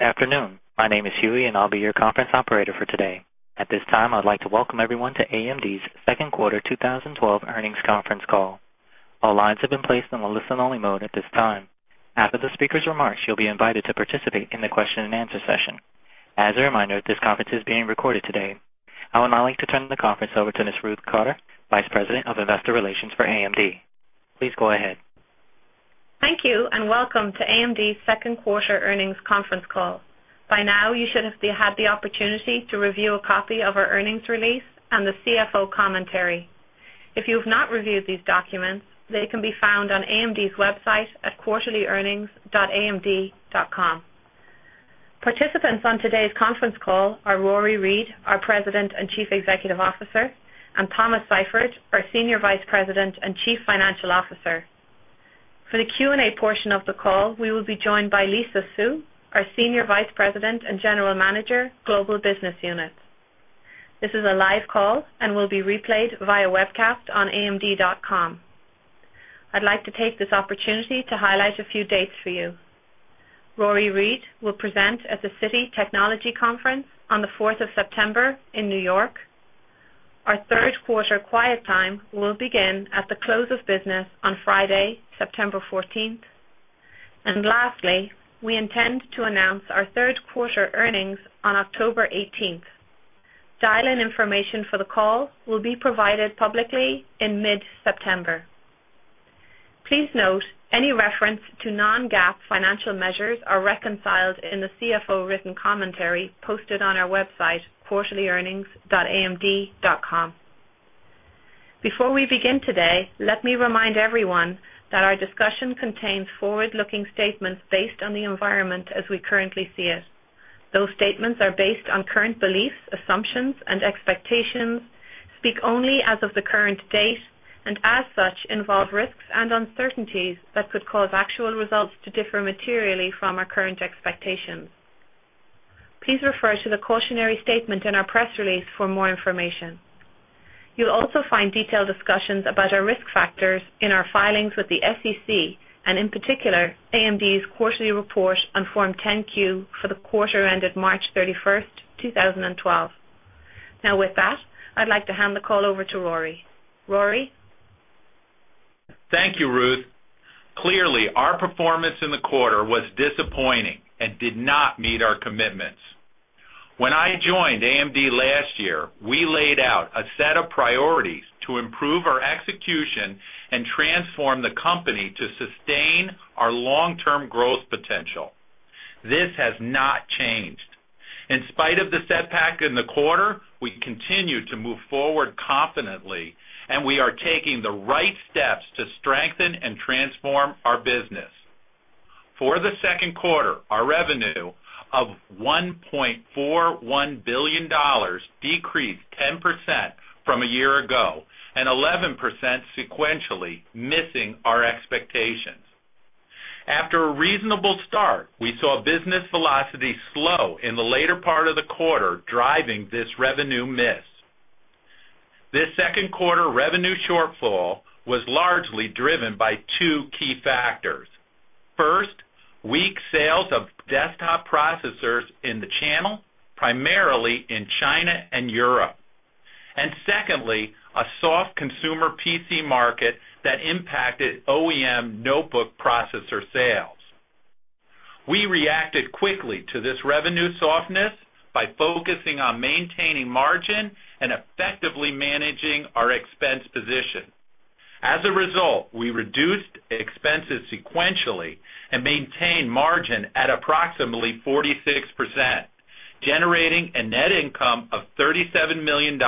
Afternoon. My name is Huey, and I'll be your conference operator for today. At this time, I'd like to welcome everyone to AMD's second quarter 2012 earnings conference call. All lines have been placed in the listen-only mode at this time. After the speaker's remarks, you'll be invited to participate in the question-and-answer session. As a reminder, this conference is being recorded today. I would now like to turn the conference over to Ms. Ruth Cotter, Vice President of Investor Relations for AMD. Please go ahead. Thank you, and welcome to AMD's second quarter earnings conference call. By now, you should have had the opportunity to review a copy of our earnings release and the CFO commentary. If you have not reviewed these documents, they can be found on AMD's website at quarterlyearnings.amd.com. Participants on today's conference call are Rory Read, our President and Chief Executive Officer, and Thomas Seifert, our Senior Vice President and Chief Financial Officer. For the Q&A portion of the call, we will be joined by Lisa Su, our Senior Vice President and General Manager, Global Business Unit. This is a live call and will be replayed via webcast on amd.com. I'd like to take this opportunity to highlight a few dates for you. Rory Read will present at the Citi Technology Conference on the 4th of September in New York. Our third-quarter quiet time will begin at the close of business on Friday, September 14th. Lastly, we intend to announce our third-quarter earnings on October 18th. Dial-in information for the call will be provided publicly in mid-September. Please note any reference to non-GAAP financial measures are reconciled in the CFO written commentary posted on our website, quarterlyearnings.amd.com. Before we begin today, let me remind everyone that our discussion contains forward-looking statements based on the environment as we currently see it. Those statements are based on current beliefs, assumptions, and expectations, speak only as of the current date, and as such, involve risks and uncertainties that could cause actual results to differ materially from our current expectations. Please refer to the cautionary statement in our press release for more information. You'll also find detailed discussions about our risk factors in our filings with the SEC, and in particular, AMD's quarterly report on Form 10-Q for the quarter ended March 31st, 2012. Now with that, I'd like to hand the call over to Rory. Rory? Thank you, Ruth. Clearly, our performance in the quarter was disappointing and did not meet our commitments. When I joined AMD last year, we laid out a set of priorities to improve our execution and transform the company to sustain our long-term growth potential. This has not changed. In spite of the setback in the quarter, we continue to move forward confidently, and we are taking the right steps to strengthen and transform our business. For the second quarter, our revenue of $1.41 billion decreased 10% from a year ago and 11% sequentially, missing our expectations. After a reasonable start, we saw business velocity slow in the later part of the quarter, driving this revenue miss. This second quarter revenue shortfall was largely driven by two key factors. First, weak sales of desktop processors in the channel, primarily in China and Europe. Secondly, a soft consumer PC market that impacted OEM notebook processor sales. We reacted quickly to this revenue softness by focusing on maintaining margin and effectively managing our expense position. As a result, we reduced expenses sequentially and maintained margin at approximately 46%, generating a net income of $37 million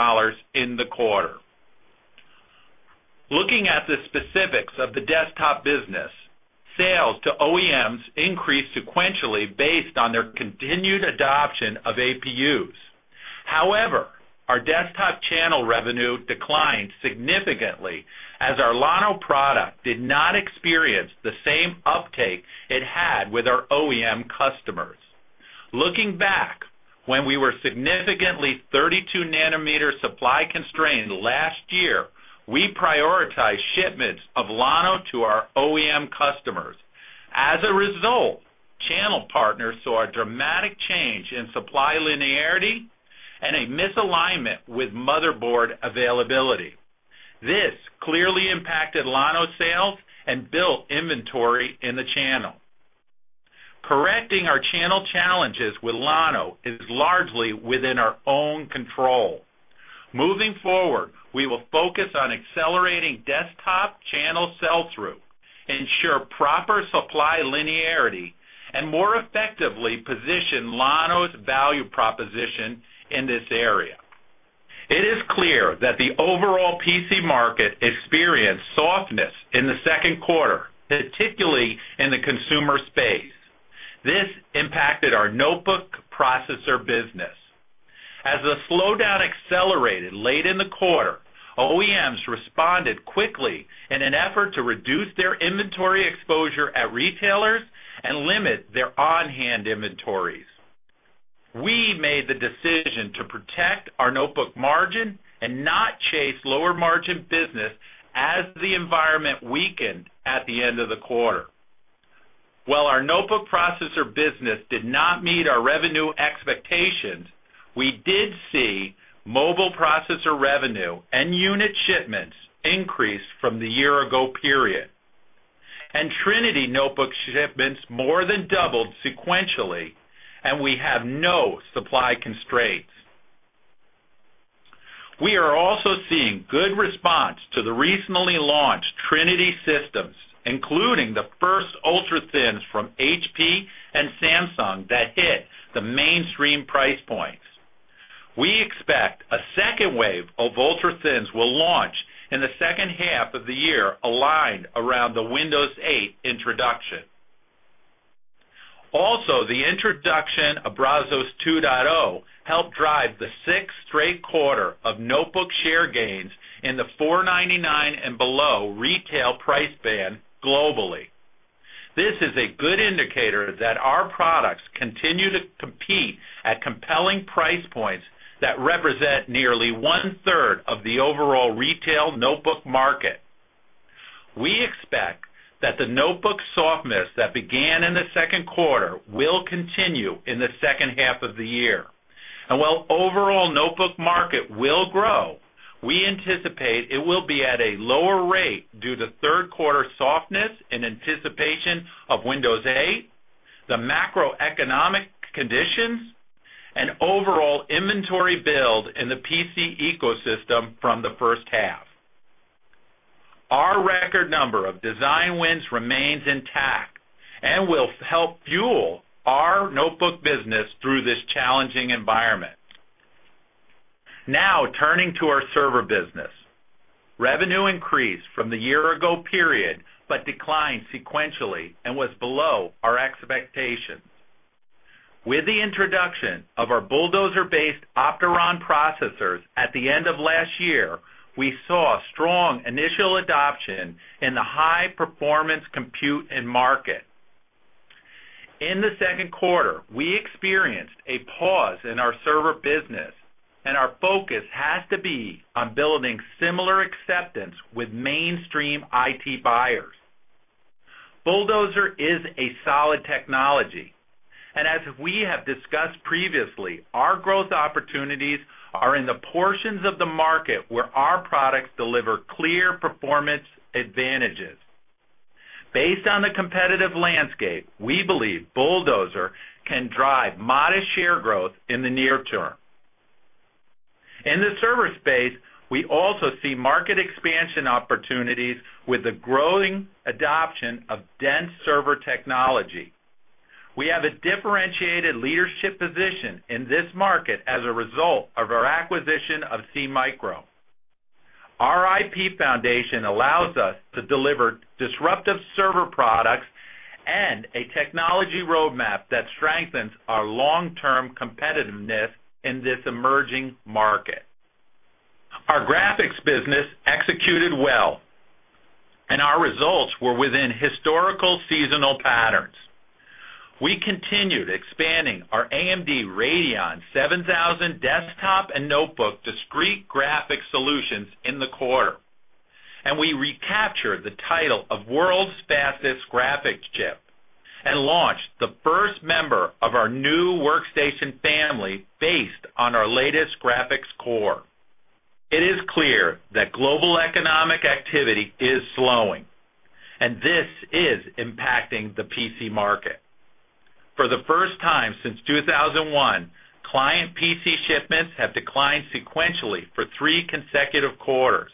in the quarter. Looking at the specifics of the desktop business, sales to OEMs increased sequentially based on their continued adoption of APUs. However, our desktop channel revenue declined significantly as our Llano product did not experience the same uptake it had with our OEM customers. Looking back, when we were significantly 32 nanometer supply constrained last year, we prioritized shipments of Llano to our OEM customers. As a result, channel partners saw a dramatic change in supply linearity and a misalignment with motherboard availability. This clearly impacted Llano sales and built inventory in the channel. Correcting our channel challenges with Llano is largely within our own control. Moving forward, we will focus on accelerating desktop channel sell-out through, ensure proper supply linearity, and more effectively position Llano's value proposition in this area. It is clear that the overall PC market experienced softness in the second quarter, particularly in the consumer space. This impacted our notebook processor business. As the slowdown accelerated late in the quarter, OEMs responded quickly in an effort to reduce their inventory exposure at retailers and limit their on-hand inventories. We made the decision to protect our notebook margin and not chase lower-margin business as the environment weakened at the end of the quarter. While our notebook processor business did not meet our revenue expectations, we did see mobile processor revenue and unit shipments increase from the year-ago period. Trinity notebook shipments more than doubled sequentially, and we have no supply constraints. We are also seeing good response to the recently launched Trinity systems, including the first ultrathins from HP and Samsung that hit the mainstream price points. We expect a second wave of ultrathins will launch in the second half of the year, aligned around the Windows 8 introduction. The introduction of Brazos 2.0 helped drive the sixth straight quarter of notebook share gains in the $499 and below retail price band globally. This is a good indicator that our products continue to compete at compelling price points that represent nearly one-third of the overall retail notebook market. We expect that the notebook softness that began in the second quarter will continue in the second half of the year. While overall notebook market will grow, we anticipate it will be at a lower rate due to third quarter softness and anticipation of Windows 8, the macroeconomic conditions, and overall inventory build in the PC ecosystem from the first half. Our record number of design wins remains intact and will help fuel our notebook business through this challenging environment. Turning to our server business. Revenue increased from the year-ago period, but declined sequentially and was below our expectations. With the introduction of our Bulldozer-based Opteron processors at the end of last year, we saw strong initial adoption in the high-performance compute end market. In the second quarter, we experienced a pause in our server business, and our focus has to be on building similar acceptance with mainstream IT buyers. Bulldozer is a solid technology. As we have discussed previously, our growth opportunities are in the portions of the market where our products deliver clear performance advantages. Based on the competitive landscape, we believe Bulldozer can drive modest share growth in the near term. In the server space, we also see market expansion opportunities with the growing adoption of dense server technology. We have a differentiated leadership position in this market as a result of our acquisition of SeaMicro. Our IP foundation allows us to deliver disruptive server products and a technology roadmap that strengthens our long-term competitiveness in this emerging market. Our graphics business executed well. Our results were within historical seasonal patterns. We continued expanding our AMD Radeon HD 7000 desktop and notebook discrete graphics solutions in the quarter. We recaptured the title of world's fastest graphics chip and launched the first member of our new workstation family based on our latest graphics core. It is clear that global economic activity is slowing. This is impacting the PC market. For the first time since 2001, client PC shipments have declined sequentially for three consecutive quarters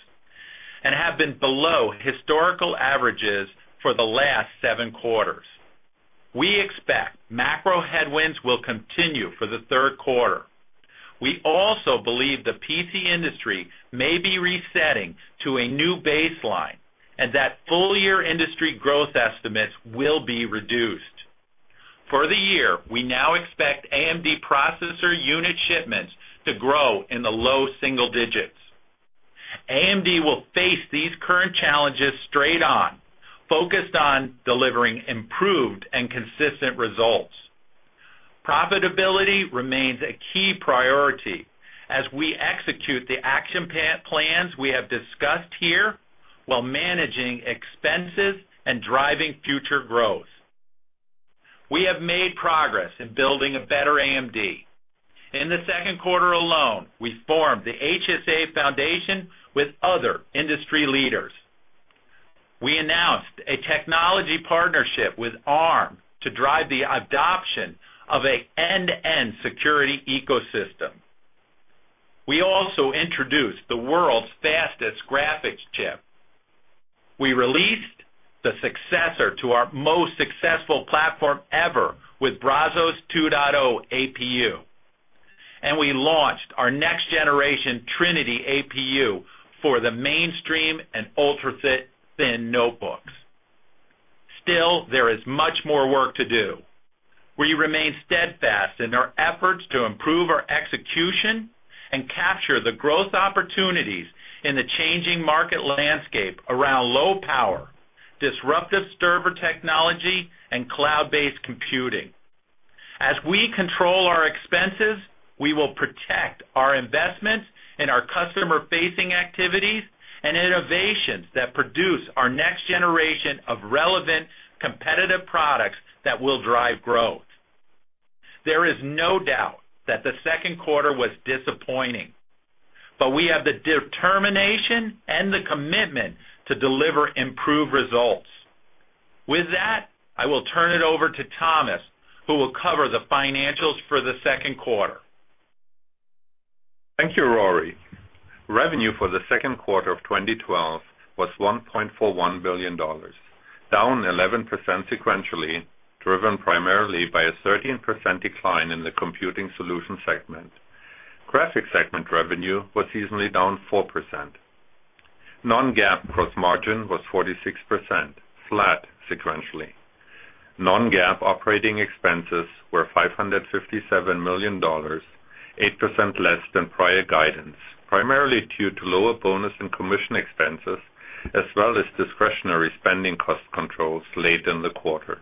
and have been below historical averages for the last seven quarters. We expect macro headwinds will continue for the third quarter. We also believe the PC industry may be resetting to a new baseline and that full-year industry growth estimates will be reduced. For the year, we now expect AMD processor unit shipments to grow in the low single digits. AMD will face these current challenges straight on, focused on delivering improved and consistent results. Profitability remains a key priority as we execute the action plans we have discussed here while managing expenses and driving future growth. We have made progress in building a better AMD. In the second quarter alone, we formed the HSA Foundation with other industry leaders. We announced a technology partnership with Arm to drive the adoption of an end-to-end security ecosystem. We also introduced the world's fastest graphics chip. We released the successor to our most successful platform ever with Brazos 2.0 APU. We launched our next-generation Trinity APU for the mainstream and ultrathin notebooks. Still, there is much more work to do. We remain steadfast in our efforts to improve our execution and capture the growth opportunities in the changing market landscape around low power disruptive server technology, and cloud-based computing. As we control our expenses, we will protect our investments in our customer-facing activities and innovations that produce our next generation of relevant competitive products that will drive growth. There is no doubt that the second quarter was disappointing. We have the determination and the commitment to deliver improved results. With that, I will turn it over to Thomas, who will cover the financials for the second quarter. Thank you, Rory. Revenue for the second quarter of 2012 was $1.41 billion, down 11% sequentially, driven primarily by a 13% decline in the Computing Solutions segment. Graphics segment revenue was seasonally down 4%. non-GAAP gross margin was 46%, flat sequentially. non-GAAP operating expenses were $557 million, 8% less than prior guidance, primarily due to lower bonus and commission expenses, as well as discretionary spending cost controls late in the quarter.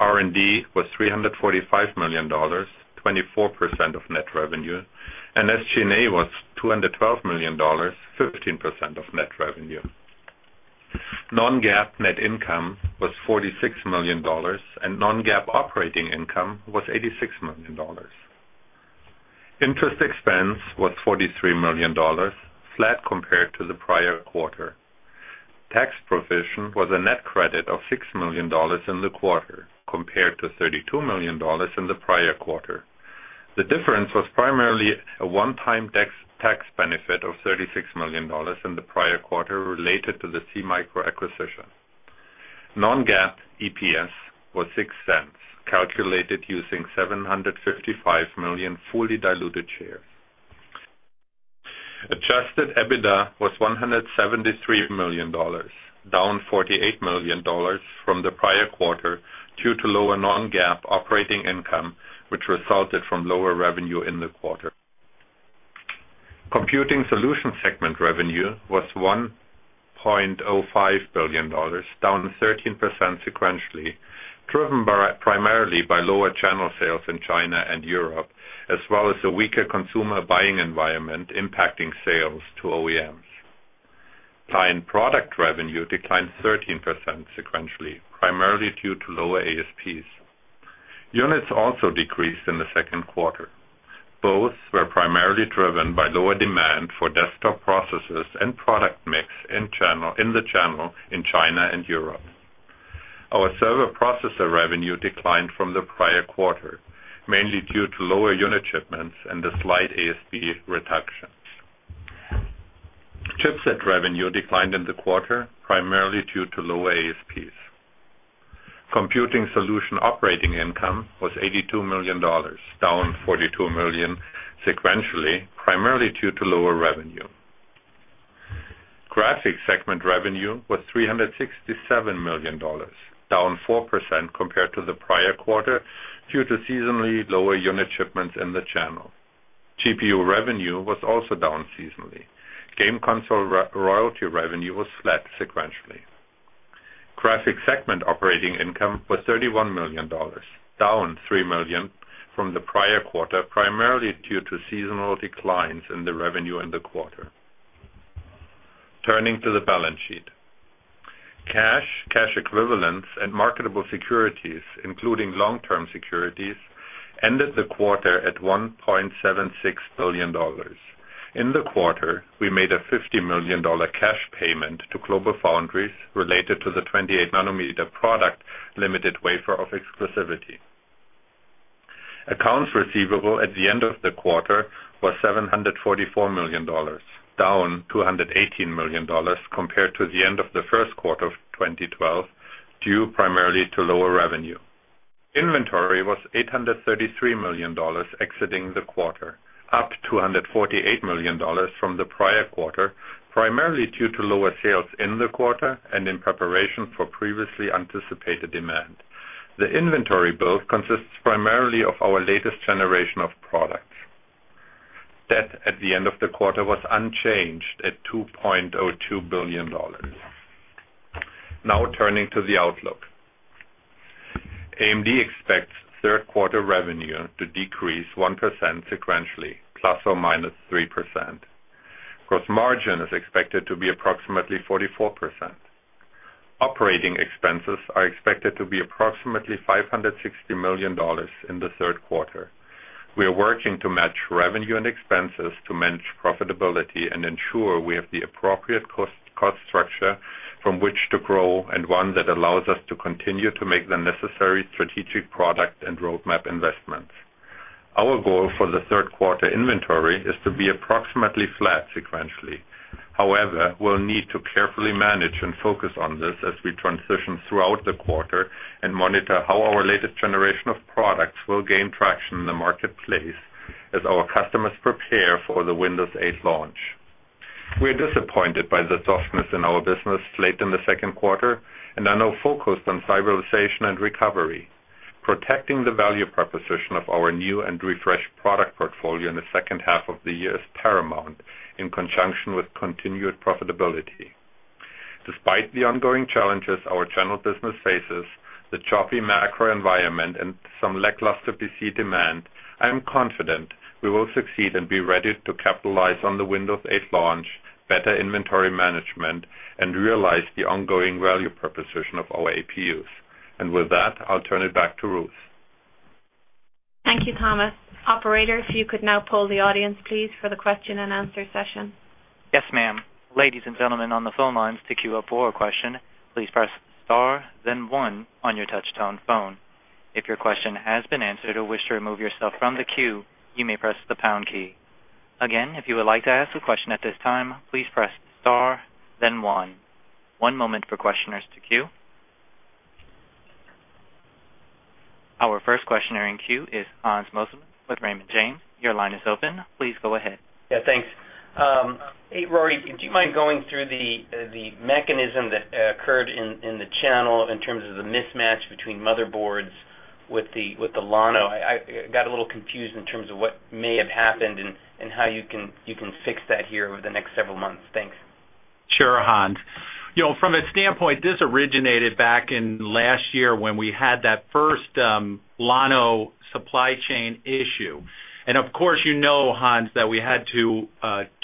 R&D was $345 million, 24% of net revenue, and SG&A was $212 million, 15% of net revenue. non-GAAP net income was $46 million, and non-GAAP operating income was $86 million. Interest expense was $43 million, flat compared to the prior quarter. Tax provision was a net credit of $6 million in the quarter, compared to $32 million in the prior quarter. The difference was primarily a one-time tax benefit of $36 million in the prior quarter related to the SeaMicro acquisition. non-GAAP EPS was $0.06, calculated using 755 million fully diluted shares. Adjusted EBITDA was $173 million, down $48 million from the prior quarter due to lower non-GAAP operating income, which resulted from lower revenue in the quarter. Computing Solutions segment revenue was $1.05 billion, down 13% sequentially, driven primarily by lower channel sales in China and Europe, as well as a weaker consumer buying environment impacting sales to OEMs. Client product revenue declined 13% sequentially, primarily due to lower ASPs. Units also decreased in the second quarter. Both were primarily driven by lower demand for desktop processors and product mix in the channel in China and Europe. Our server processor revenue declined from the prior quarter, mainly due to lower unit shipments and a slight ASP reduction. Chipset revenue declined in the quarter, primarily due to lower ASPs. Computing Solutions operating income was $82 million, down $42 million sequentially, primarily due to lower revenue. Graphics segment revenue was $367 million, down 4% compared to the prior quarter due to seasonally lower unit shipments in the channel. GPU revenue was also down seasonally. Game console royalty revenue was flat sequentially. Graphics segment operating income was $31 million, down $3 million from the prior quarter, primarily due to seasonal declines in the revenue in the quarter. Turning to the balance sheet. Cash, cash equivalents, and marketable securities, including long-term securities, ended the quarter at $1.76 billion. In the quarter, we made a $50 million cash payment to GlobalFoundries related to the 28-nanometer product limited waiver of exclusivity. Accounts receivable at the end of the quarter were $744 million, down $218 million compared to the end of the first quarter of 2012, due primarily to lower revenue. Inventory was $833 million exiting the quarter, up $248 million from the prior quarter, primarily due to lower sales in the quarter and in preparation for previously anticipated demand. The inventory build consists primarily of our latest generation of products. Debt at the end of the quarter was unchanged at $2.02 billion. Turning to the outlook. AMD expects third quarter revenue to decrease 1% sequentially, ±3%. Gross margin is expected to be approximately 44%. Operating expenses are expected to be approximately $560 million in the third quarter. We are working to match revenue and expenses to manage profitability and ensure we have the appropriate cost structure from which to grow and one that allows us to continue to make the necessary strategic product and roadmap investments. Our goal for the third quarter inventory is to be approximately flat sequentially. However, we'll need to carefully manage and focus on this as we transition throughout the quarter and monitor how our latest generation of products will gain traction in the marketplace as our customers prepare for the Windows 8 launch. We are disappointed by the softness in our business late in the second quarter and are now focused on stabilization and recovery. Protecting the value proposition of our new and refreshed product portfolio in the second half of the year is paramount, in conjunction with continued profitability. Despite the ongoing challenges our channel business faces, the choppy macro environment, and some lackluster PC demand, I am confident we will succeed and be ready to capitalize on the Windows 8 launch, better inventory management, and realize the ongoing value proposition of our APUs. With that, I'll turn it back to Ruth. Thank you, Thomas. Operator, if you could now poll the audience, please, for the question and answer session. Yes, ma'am. Ladies and gentlemen on the phone lines, to queue up for a question, please press star then one on your touch-tone phone. If your question has been answered or wish to remove yourself from the queue, you may press the pound key. Again, if you would like to ask a question at this time, please press star then one. One moment for questioners to queue. Our first questioner in queue is Hans Mosesmann with Raymond James, your line is open. Please go ahead. Thanks. Hey, Rory, do you mind going through the mechanism that occurred in the channel in terms of the mismatch between motherboards with the Llano? I got a little confused in terms of what may have happened and how you can fix that here over the next several months. Thanks. Sure, Hans. From its standpoint, this originated back in last year when we had that first Llano supply chain issue. Of course, you know, Hans, that we had to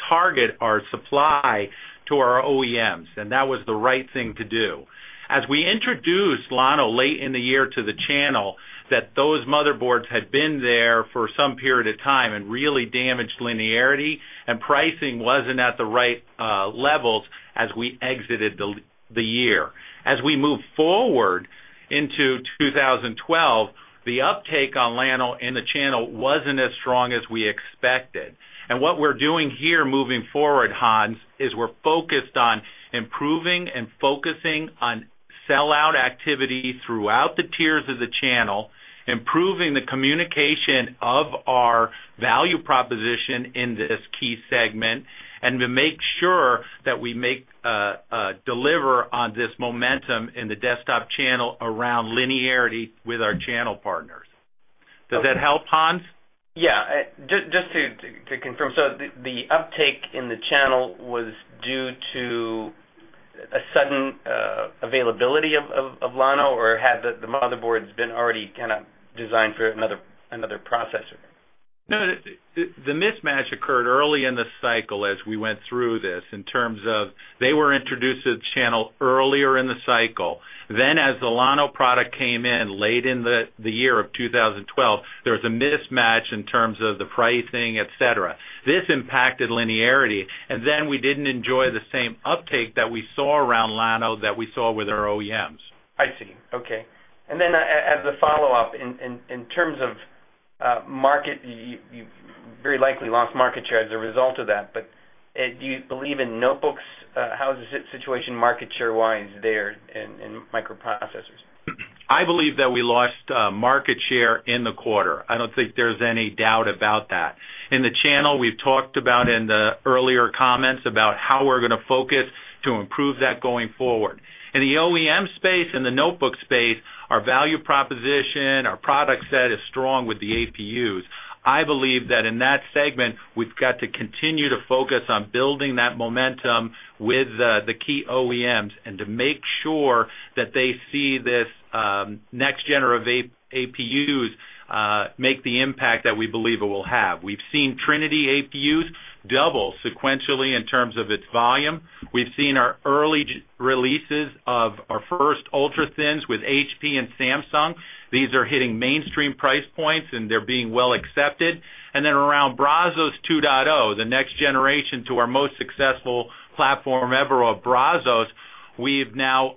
target our supply to our OEMs, and that was the right thing to do. As we introduced Llano late in the year to the channel, that those motherboards had been there for some period of time and really damaged linearity and pricing wasn't at the right levels as we exited the year. As we moved forward into 2012, the uptake on Llano in the channel wasn't as strong as we expected. What we're doing here moving forward, Hans, is we're focused on improving and focusing on sell-out activity throughout the tiers of the channel, improving the communication of our value proposition in this key segment, and to make sure that we deliver on this momentum in the desktop channel around linearity with our channel partners. Does that help, Hans? Yeah. Just to confirm, the uptake in the channel was due to a sudden availability of Llano, or had the motherboards been already designed for another processor? No, the mismatch occurred early in the cycle as we went through this, in terms of they were introduced to the channel earlier in the cycle. As the Llano product came in late in the year of 2012, there was a mismatch in terms of the pricing, et cetera. This impacted linearity, we didn't enjoy the same uptake that we saw around Llano that we saw with our OEMs. I see. Okay. As a follow-up, in terms of market, you very likely lost market share as a result of that. Do you believe in notebooks? How is the situation market share-wise there in microprocessors? I believe that we lost market share in the quarter. I don't think there's any doubt about that. In the channel, we've talked about in the earlier comments about how we're going to focus to improve that going forward. In the OEM space and the notebook space, our value proposition, our product set is strong with the APUs. I believe that in that segment, we've got to continue to focus on building that momentum with the key OEMs and to make sure that they see this next gen of APUs make the impact that we believe it will have. We've seen Trinity APUs double sequentially in terms of its volume. We've seen our early releases of our first ultra-thins with HP and Samsung. These are hitting mainstream price points, and they're being well accepted. Around Brazos 2.0, the next generation to our most successful platform ever of Brazos, we've now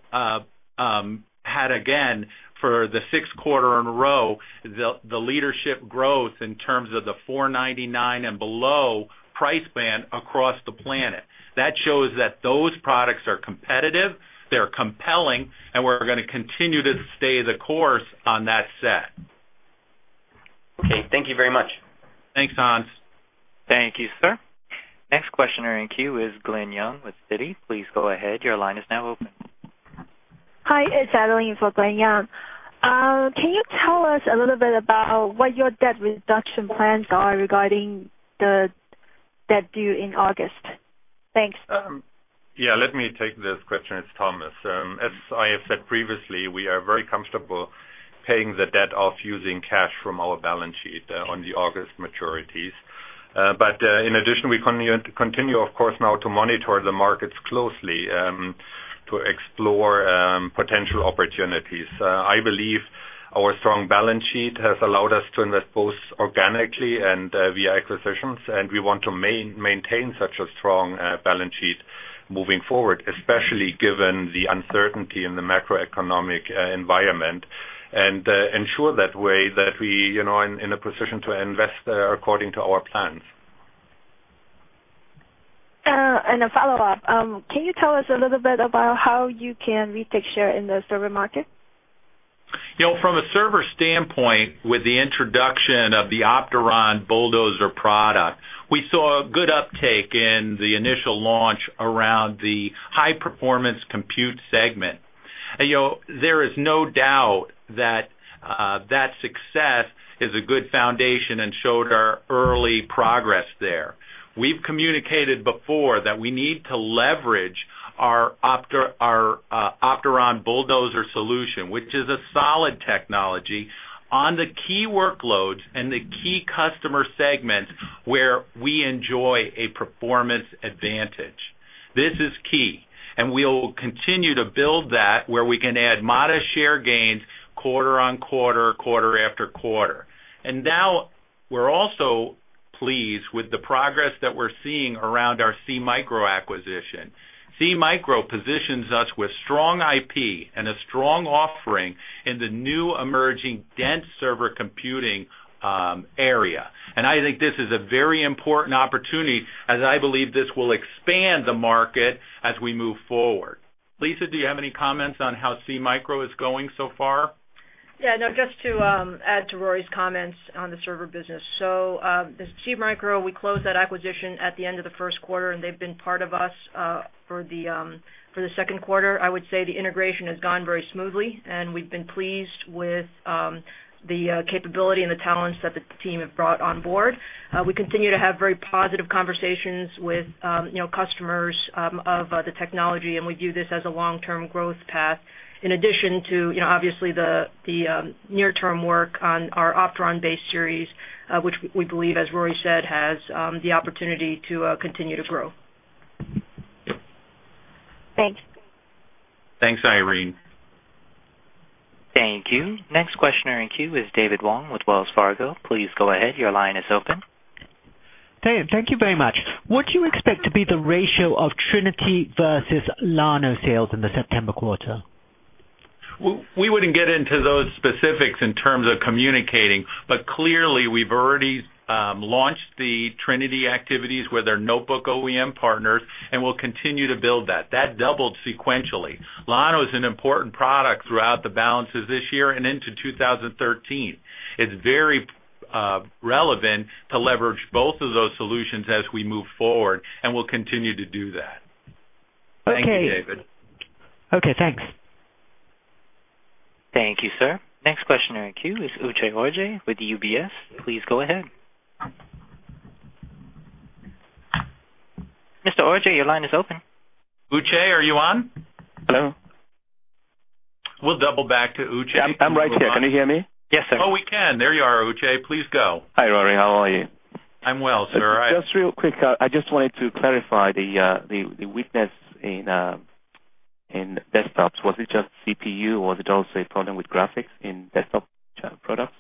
had, again, for the sixth quarter in a row, the leadership growth in terms of the $499 and below price band across the planet. That shows that those products are competitive, they're compelling, and we're going to continue to stay the course on that set. Okay. Thank you very much. Thanks, Hans. Thank you, sir. Next questioner in queue is Glen Yeung with Citi. Please go ahead. Your line is now open. Hi, it's Adeline for Glen Yeung. Can you tell us a little bit about what your debt reduction plans are regarding the debt due in August? Thanks. Yeah, let me take this question. It's Thomas. As I have said previously, we are very comfortable paying the debt off using cash from our balance sheet on the August maturities. In addition, we continue, of course, now to monitor the markets closely to explore potential opportunities. I believe our strong balance sheet has allowed us to invest both organically and via acquisitions, and we want to maintain such a strong balance sheet moving forward, especially given the uncertainty in the macroeconomic environment, and ensure that way that we are in a position to invest according to our plans. A follow-up. Can you tell us a little bit about how you can retake share in the server market? From a server standpoint, with the introduction of the Opteron Bulldozer product, we saw a good uptake in the initial launch around the high-performance compute segment. There is no doubt that success is a good foundation and showed our early progress there. We've communicated before that we need to leverage our Opteron Bulldozer solution, which is a solid technology, on the key workloads and the key customer segments where we enjoy a performance advantage. This is key, and we will continue to build that where we can add modest share gains quarter on quarter after quarter. Now we're also pleased with the progress that we're seeing around our SeaMicro acquisition. SeaMicro positions us with strong IP and a strong offering in the new emerging dense server computing area. I think this is a very important opportunity, as I believe this will expand the market as we move forward. Lisa, do you have any comments on how SeaMicro is going so far? No, just to add to Rory's comments on the server business. With SeaMicro, we closed that acquisition at the end of the first quarter, and they've been part of us for the second quarter. I would say the integration has gone very smoothly, and we've been pleased with the capability and the talents that the team have brought on board. We continue to have very positive conversations with customers of the technology, and we view this as a long-term growth path. In addition to obviously the near-term work on our Opteron-based series, which we believe, as Rory said, has the opportunity to continue to grow. Thanks. Thanks, Irene. Thank you. Next questioner in queue is David Wong with Wells Fargo. Please go ahead. Your line is open. Hey, thank you very much. What do you expect to be the ratio of Trinity versus Llano sales in the September quarter? Clearly, we've already launched the Trinity activities with our notebook OEM partners, and we'll continue to build that. That doubled sequentially. Llano is an important product throughout the balances this year and into 2013. It's very relevant to leverage both of those solutions as we move forward, and we'll continue to do that. Okay. Thank you, David. Okay, thanks. Thank you, sir. Next questioner in queue is Uche Orji with UBS. Please go ahead. Mr. Orji, your line is open. Uche, are you on? Hello. We'll double back to Uche. I'm right here. Can you hear me? Yes, sir. Oh, we can. There you are, Uche. Please go. Hi, Rory. How are you? I'm well, sir. Just real quick, I just wanted to clarify the weakness in desktops. Was it just CPU, or was it also a problem with graphics in desktop products?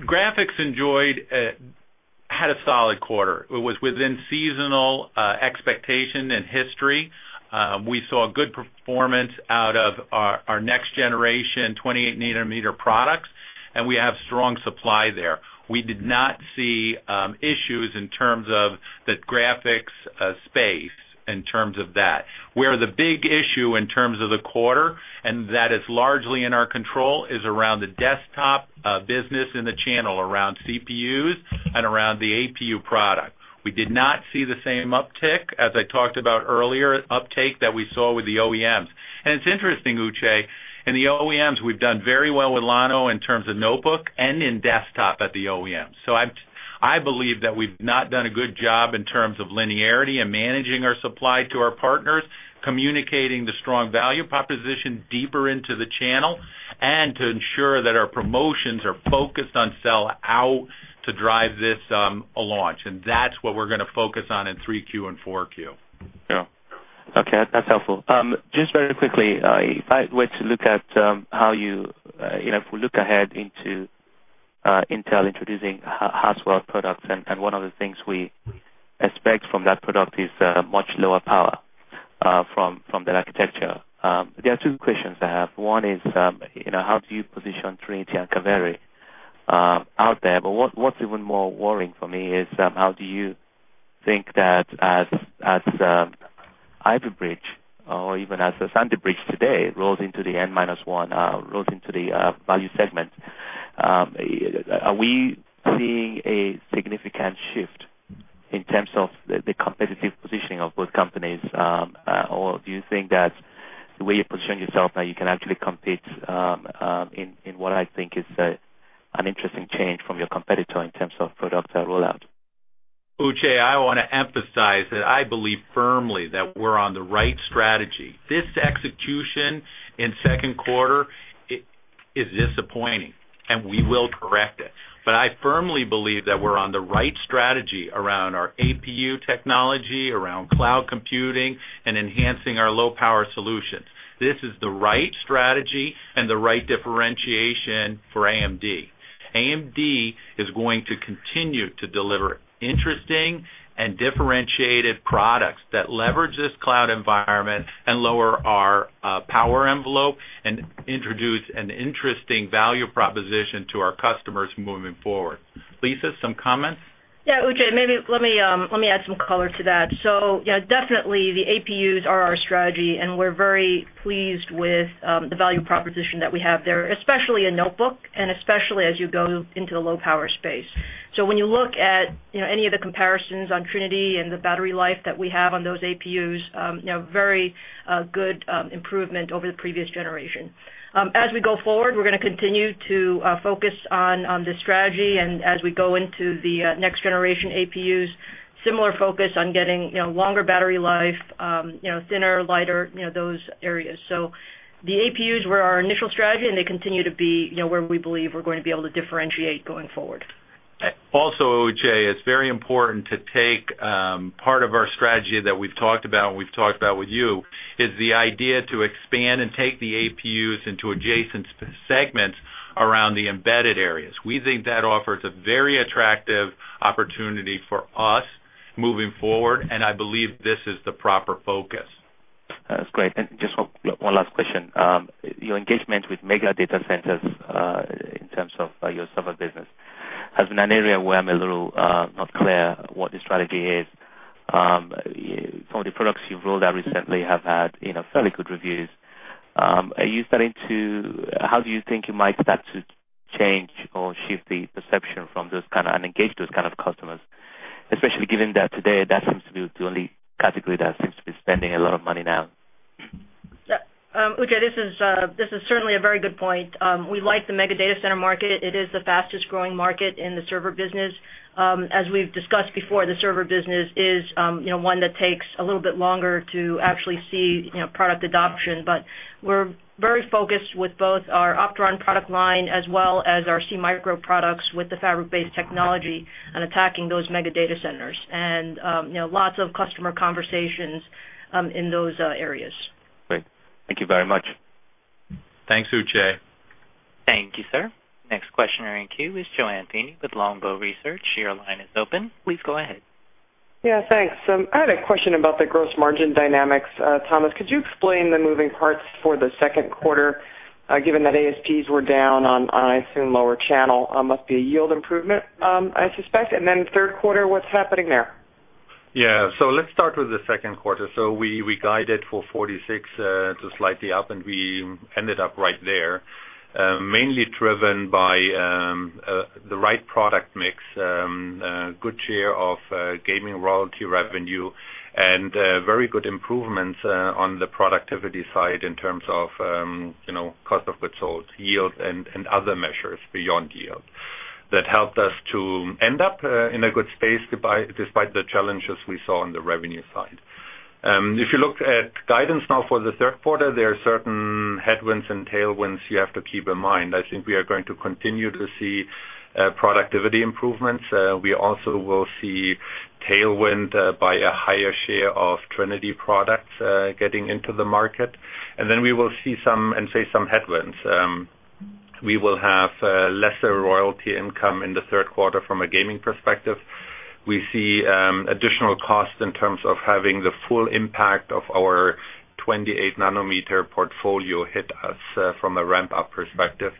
Graphics had a solid quarter. It was within seasonal expectation and history. We saw a good performance out of our next generation 28nm products, and we have strong supply there. We did not see issues in terms of the graphics space in terms of that, where the big issue in terms of the quarter, and that is largely in our control, is around the desktop business in the channel, around CPUs and around the APU product. We did not see the same uptick, as I talked about earlier, uptake that we saw with the OEMs. It's interesting, Uche, in the OEMs, we've done very well with Llano in terms of notebook and in desktop at the OEMs. I believe that we've not done a good job in terms of linearity and managing our supply to our partners, communicating the strong value proposition deeper into the channel, and to ensure that our promotions are focused on sell-out to drive this launch. That's what we're going to focus on in 3Q and 4Q. Yeah. Okay. That's helpful. Just very quickly, if I were to look at how you, if we look ahead into Intel introducing Haswell products, one of the things we expect from that product is much lower power from that architecture. There are two questions I have. One is, how do you position Trinity and Kaveri out there? What's even more worrying for me is, how do you think that as Ivy Bridge or even as Sandy Bridge today rolls into the N minus one, rolls into the value segment, are we seeing a significant shift in terms of the competitive positioning of both companies? Do you think that the way you're positioning yourself now, you can actually compete in what I think is an interesting change from your competitor in terms of product rollout? Uche, I want to emphasize that I believe firmly that we're on the right strategy. This execution in second quarter, it is disappointing, we will correct it. I firmly believe that we're on the right strategy around our APU technology, around cloud computing, and enhancing our low-power solutions. This is the right strategy and the right differentiation for AMD. AMD is going to continue to deliver interesting and differentiated products that leverage this cloud environment and lower our power envelope and introduce an interesting value proposition to our customers moving forward. Lisa, some comments? Yeah, Uche, maybe let me add some color to that. Definitely the APUs are our strategy, and we're very pleased with the value proposition that we have there, especially in notebook and especially as you go into the low-power space. When you look at any of the comparisons on Trinity and the battery life that we have on those APUs, very good improvement over the previous generation. As we go forward, we're going to continue to focus on this strategy, and as we go into the next generation APUs, similar focus on getting longer battery life, thinner, lighter, those areas. The APUs were our initial strategy, and they continue to be where we believe we're going to be able to differentiate going forward. Also, Uche, it's very important to take part of our strategy that we've talked about, and we've talked about with you, is the idea to expand and take the APUs into adjacent segments around the embedded areas. We think that offers a very attractive opportunity for us moving forward, and I believe this is the proper focus. That's great. Just one last question. Your engagement with mega data centers in terms of your server business has been an area where I'm a little not clear what the strategy is. Some of the products you've rolled out recently have had fairly good reviews. How do you think you might start to change or shift the perception from those kind of, and engage those kind of customers? Especially given that today that seems to be the only category that seems to be spending a lot of money now. Uche, this is certainly a very good point. We like the mega data center market. It is the fastest-growing market in the server business. As we've discussed before, the server business is one that takes a little bit longer to actually see product adoption. We're very focused with both our Opteron product line as well as our SeaMicro products with the fabric-based technology and attacking those mega data centers. Lots of customer conversations in those areas. Great. Thank you very much. Thanks, Uche. Thank you, sir. Next questioner in queue is JoAnne Feeney with Longbow Research. Your line is open. Please go ahead. Yeah, thanks. I had a question about the gross margin dynamics. Thomas, could you explain the moving parts for the second quarter, given that ASPs were down on, I assume, lower channel? Must be a yield improvement, I suspect. Third quarter, what's happening there? Yeah. Let's start with the second quarter. We guided for 46 to slightly up, and we ended up right there. Mainly driven by the right product mix, good share of gaming royalty revenue, and very good improvements on the productivity side in terms of cost of goods sold, yield, and other measures beyond yield. That helped us to end up in a good space despite the challenges we saw on the revenue side. If you look at guidance now for the third quarter, there are certain headwinds and tailwinds you have to keep in mind. I think we are going to continue to see productivity improvements. We also will see tailwind by a higher share of Trinity products getting into the market. We will see some, and face some headwinds. We will have lesser royalty income in the third quarter from a gaming perspective. We see additional costs in terms of having the full impact of our 28nm portfolio hit us from a ramp-up perspective.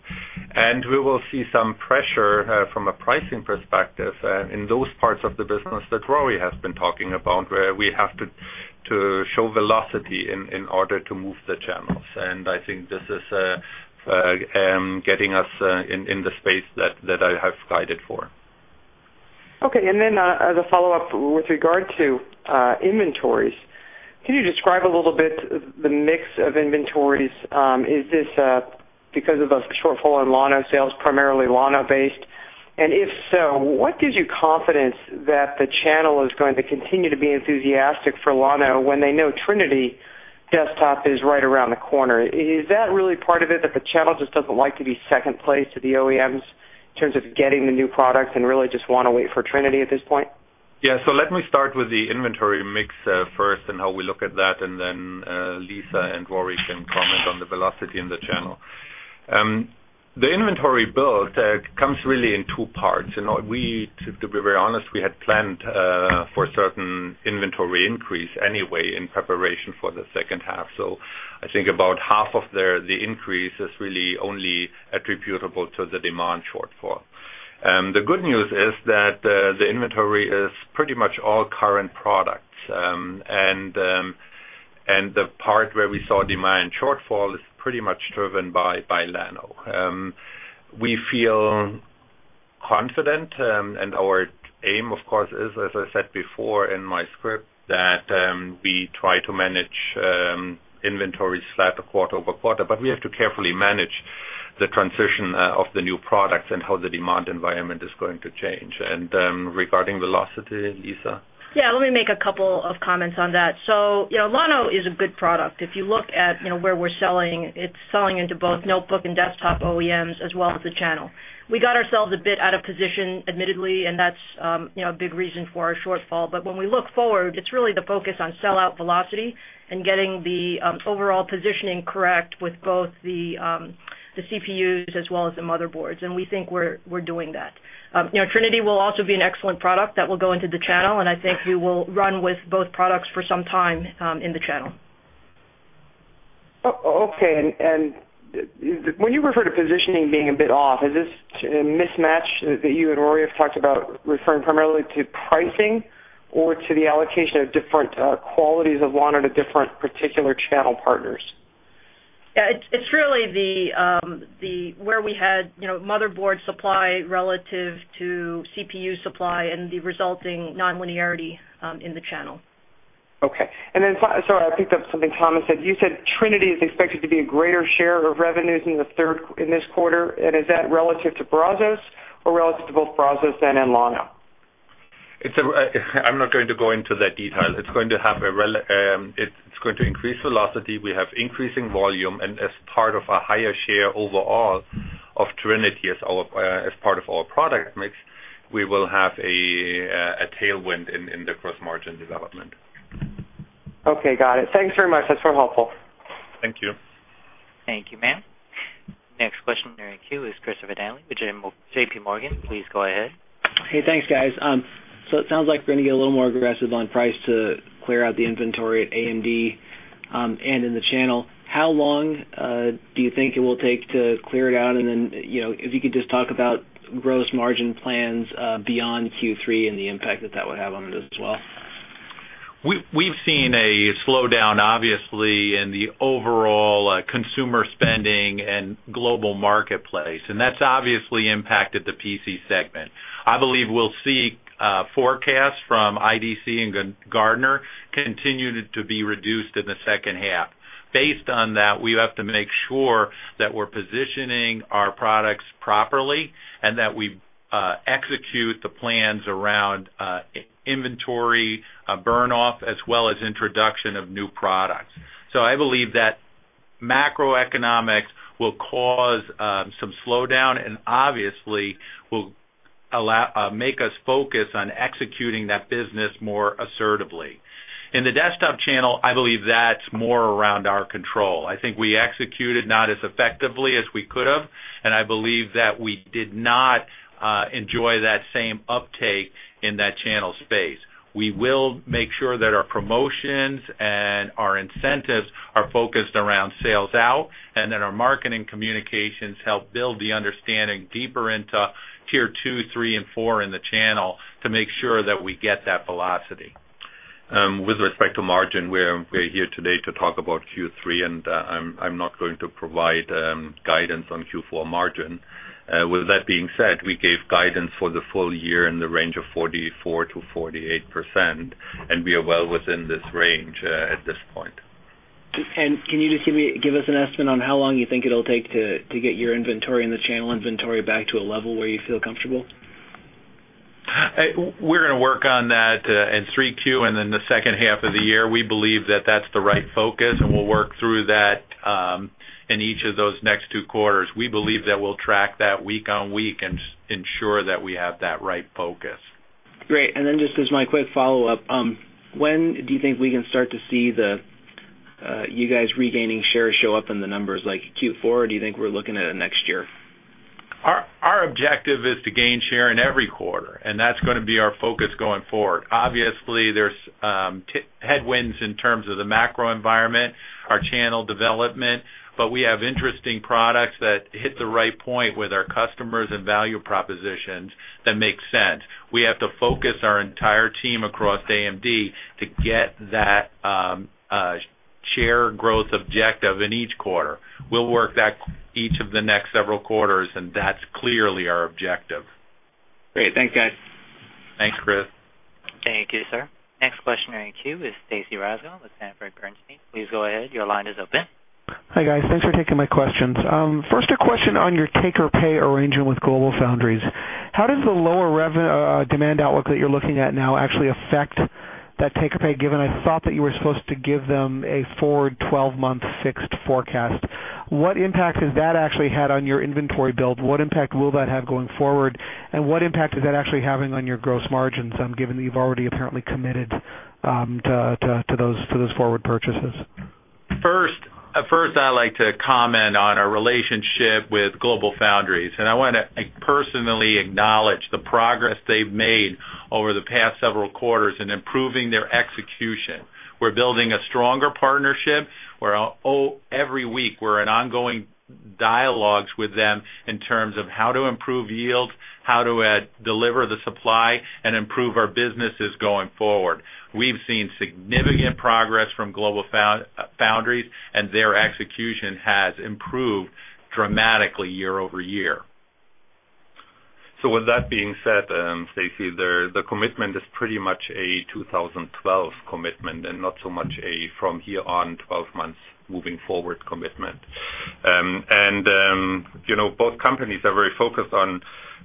We will see some pressure from a pricing perspective in those parts of the business that Rory has been talking about, where we have to show velocity in order to move the channels. I think this is getting us in the space that I have guided for. Okay. As a follow-up, with regard to inventories, can you describe a little bit the mix of inventories? Is this because of a shortfall in Llano sales, primarily Llano-based? If so, what gives you confidence that the channel is going to continue to be enthusiastic for Llano when they know Trinity desktop is right around the corner? Is that really part of it, that the channel just doesn't like to be second place to the OEMs in terms of getting the new product and really just want to wait for Trinity at this point? Yeah. Let me start with the inventory mix first and how we look at that, and then Lisa and Rory can comment on the velocity in the channel. The inventory build comes really in two parts. To be very honest, we had planned for a certain inventory increase anyway in preparation for the second half. I think about half of the increase is really only attributable to the demand shortfall. The good news is that the inventory is pretty much all current products. The part where we saw demand shortfall is pretty much driven by Llano. We feel confident, and our aim, of course, is, as I said before in my script, that we try to manage inventory flat quarter-over-quarter, but we have to carefully manage the transition of the new products and how the demand environment is going to change. Regarding velocity, Lisa? Yeah. Let me make a couple of comments on that. Llano is a good product. If you look at where we're selling, it's selling into both notebook and desktop OEMs as well as the channel. We got ourselves a bit out of position, admittedly, and that's a big reason for our shortfall. When we look forward, it's really the focus on sell-out velocity and getting the overall positioning correct with both the CPUs as well as the motherboards, and we think we're doing that. Trinity will also be an excellent product that will go into the channel, and I think we will run with both products for some time in the channel. Okay. When you refer to positioning being a bit off, is this mismatch that you and Rory have talked about referring primarily to pricing or to the allocation of different qualities of Llano to different particular channel partners? Yeah. It's really where we had motherboard supply relative to CPU supply and the resulting non-linearity in the channel. Okay. Sorry, I picked up something Thomas said. You said Trinity is expected to be a greater share of revenues in this quarter, is that relative to Brazos or relative to both Brazos and Llano? I'm not going to go into that detail. It's going to increase velocity. We have increasing volume, and as part of a higher share overall of Trinity as part of our product mix, we will have a tailwind in the gross margin development. Okay, got it. Thanks very much. That's very helpful. Thank you. Thank you, ma'am. Next question in our queue is Christopher Danley with J.P. Morgan. Please go ahead. Hey, thanks guys. It sounds like we're going to get a little more aggressive on price to clear out the inventory at AMD and in the channel. How long do you think it will take to clear it out? If you could just talk about gross margin plans beyond Q3 and the impact that that would have on it as well. We've seen a slowdown, obviously, in the overall consumer spending and global marketplace. That's obviously impacted the PC segment. I believe we'll see forecasts from IDC and Gartner continue to be reduced in the second half. Based on that, we have to make sure that we're positioning our products properly and that we execute the plans around inventory burn off as well as introduction of new products. I believe that macroeconomics will cause some slowdown and obviously will make us focus on executing that business more assertively. In the desktop channel, I believe that's more around our control. I think we executed not as effectively as we could have, I believe that we did not enjoy that same uptake in that channel space. We will make sure that our promotions and our incentives are focused around sales out. That our marketing communications help build the understanding deeper into tier 2, 3, and 4 in the channel to make sure that we get that velocity. With respect to margin, we're here today to talk about Q3. I'm not going to provide guidance on Q4 margin. With that being said, we gave guidance for the full year in the range of 44%-48%, and we are well within this range at this point. Can you just give us an estimate on how long you think it'll take to get your inventory and the channel inventory back to a level where you feel comfortable? We're going to work on that in 3Q and then the second half of the year. We believe that that's the right focus, and we'll work through that in each of those next two quarters. We believe that we'll track that week on week and ensure that we have that right focus. Great. Then just as my quick follow-up, when do you think we can start to see you guys regaining shares show up in the numbers, like Q4? Do you think we're looking at it next year? Our objective is to gain share in every quarter, and that's going to be our focus going forward. Obviously, there's headwinds in terms of the macro environment, our channel development, but we have interesting products that hit the right point with our customers and value propositions that make sense. We have to focus our entire team across AMD to get that share growth objective in each quarter. We'll work that each of the next several quarters, and that's clearly our objective. Great. Thanks, guys. Thanks, Chris. Thank you, sir. Next question in our queue is Stacy Rasgon with Sanford Bernstein. Please go ahead. Your line is open. Hi, guys. Thanks for taking my questions. First, a question on your take-or-pay arrangement with GlobalFoundries. How does the lower demand outlook that you're looking at now actually affect that take-or-pay, given I thought that you were supposed to give them a forward 12-month fixed forecast. What impact has that actually had on your inventory build? What impact will that have going forward? What impact is that actually having on your gross margins, given that you've already apparently committed to those forward purchases? First, I'd like to comment on our relationship with GlobalFoundries, and I want to personally acknowledge the progress they've made over the past several quarters in improving their execution. We're building a stronger partnership where every week we're in ongoing dialogues with them in terms of how to improve yield, how to deliver the supply, and improve our businesses going forward. We've seen significant progress from GlobalFoundries, and their execution has improved dramatically year-over-year. With that being said, Stacy, the commitment is pretty much a 2012 commitment and not so much a from here on 12 months moving forward commitment. Both companies are very focused on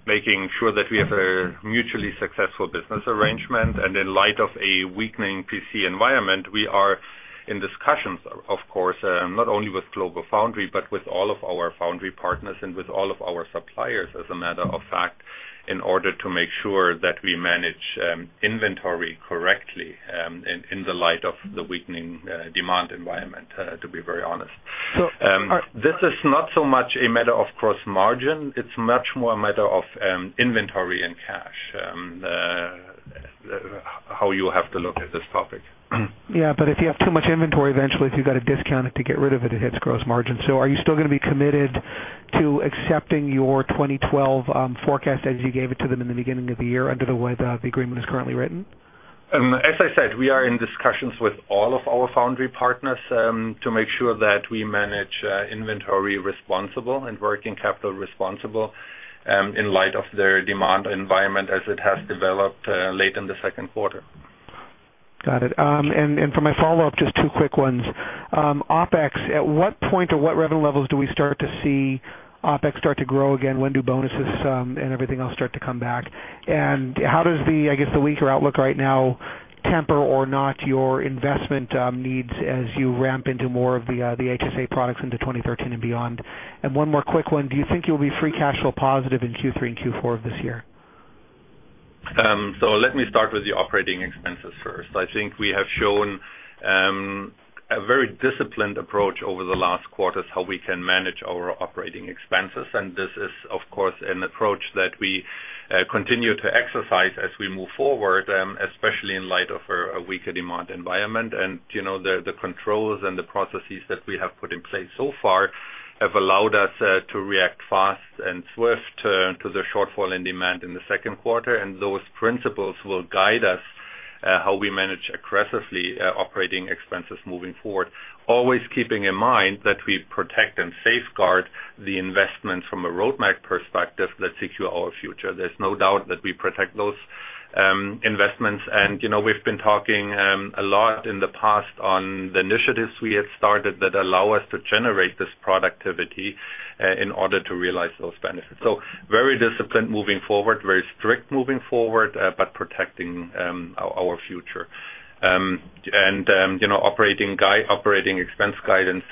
making sure that we have a mutually successful business arrangement. In light of a weakening PC environment, we are in discussions, of course, not only with GlobalFoundries, but with all of our foundry partners and with all of our suppliers as a matter of fact, in order to make sure that we manage inventory correctly in the light of the weakening demand environment, to be very honest. This is not so much a matter of gross margin. It's much more a matter of inventory and cash, how you have to look at this topic. Yeah, but if you have too much inventory, eventually, if you've got to discount it to get rid of it hits gross margin. Are you still going to be committed to accepting your 2012 forecast as you gave it to them in the beginning of the year under the way the agreement is currently written? As I said, we are in discussions with all of our foundry partners to make sure that we manage inventory responsible and working capital responsible in light of their demand environment as it has developed late in the second quarter. Got it. For my follow-up, just two quick ones. OpEx, at what point or what revenue levels do we start to see OpEx start to grow again? When do bonuses and everything else start to come back? How does the weaker outlook right now temper or not your investment needs as you ramp into more of the HSA products into 2013 and beyond? One more quick one. Do you think you'll be free cash flow positive in Q3 and Q4 of this year? Let me start with the operating expenses first. I think we have shown a very disciplined approach over the last quarters, how we can manage our operating expenses. This is, of course, an approach that we continue to exercise as we move forward, especially in light of a weaker demand environment. The controls and the processes that we have put in place so far have allowed us to react fast and swift to the shortfall in demand in the second quarter. Those principles will guide us how we manage aggressively operating expenses moving forward, always keeping in mind that we protect and safeguard the investments from a roadmap perspective that secure our future. There's no doubt that we protect those investments. We've been talking a lot in the past on the initiatives we have started that allow us to generate this productivity in order to realize those benefits. Very disciplined moving forward, very strict moving forward, but protecting our future. Operating expense guidance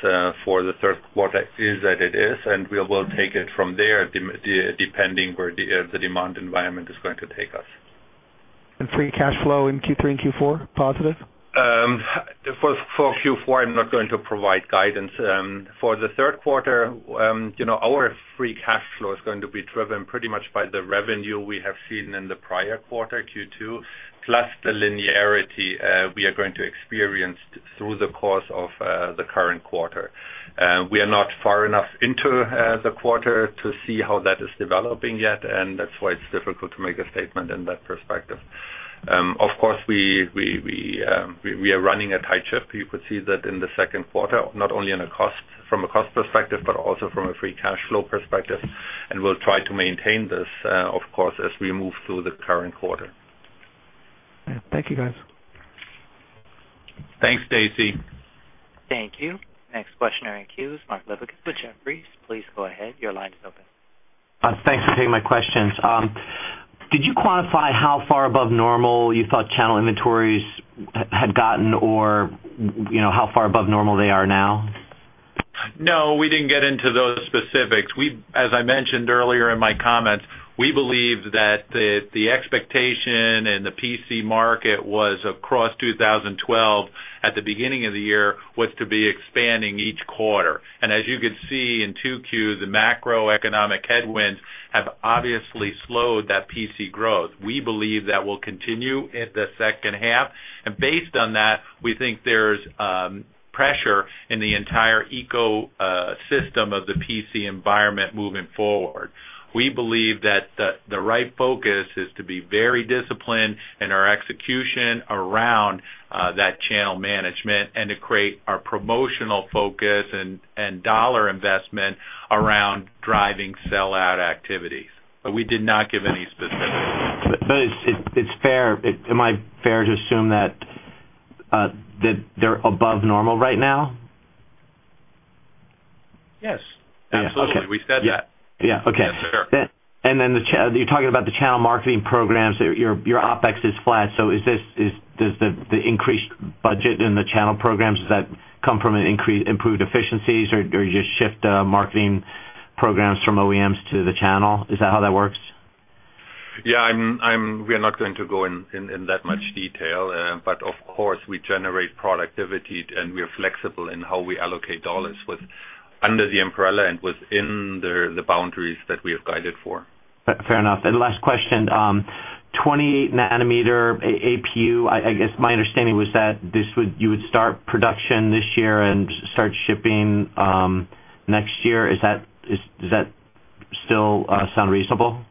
for the third quarter is that it is, and we will take it from there, depending where the demand environment is going to take us. Free cash flow in Q3 and Q4, positive? For Q4, I'm not going to provide guidance. For the third quarter, our free cash flow is going to be driven pretty much by the revenue we have seen in the prior quarter, Q2, plus the linearity we are going to experience through the course of the current quarter. We are not far enough into the quarter to see how that is developing yet, and that's why it's difficult to make a statement in that perspective. Of course, we are running a tight ship. You could see that in the second quarter, not only from a cost perspective, but also from a free cash flow perspective. We'll try to maintain this, of course, as we move through the current quarter. Thank you, guys. Thanks, Stacy. Thank you. Next questioner in queue is Mark Lipacis with Jefferies. Please go ahead. Your line is open. Thanks for taking my questions. Did you quantify how far above normal you thought channel inventories had gotten or how far above normal they are now? No, we didn't get into those specifics. As I mentioned earlier in my comments, we believe that the expectation in the PC market was across 2012, at the beginning of the year, was to be expanding each quarter. As you can see in 2Q, the macroeconomic headwinds have obviously slowed that PC growth. We believe that will continue in the second half. Based on that, we think there's pressure in the entire ecosystem of the PC environment moving forward. We believe that the right focus is to be very disciplined in our execution around that channel management and to create our promotional focus and dollar investment around driving sell-out activities. We did not give any specifics. Am I fair to assume that they're above normal right now? Yes. Absolutely. We said that. Yeah. Okay. That's fair. You're talking about the channel marketing programs. Your OpEx is flat. Does the increased budget in the channel programs, does that come from improved efficiencies, or you just shift marketing programs from OEMs to the channel? Is that how that works? Yeah, we are not going to go in that much detail. Of course, we generate productivity, and we are flexible in how we allocate dollars under the umbrella and within the boundaries that we have guided for. Fair enough. Last question. 28 nanometer APU, I guess my understanding was that you would start production this year and start shipping next year. Does that still sound reasonable?